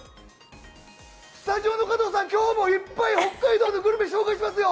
スタジオの加藤さん、今日もいっぱい北海道のグルメを紹介しますよ。